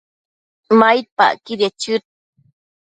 maidpacquidiec chëd